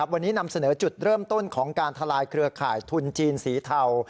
วันนี้นำเสนอจุดเริ่มต้นของการทลายเครือข่ายทุนจีนสีเทา